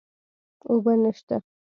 اوبه نشته